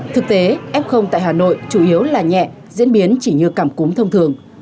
thực tế f tại hà nội chủ yếu là nhẹ diễn biến chỉ như cảm cúm thông thường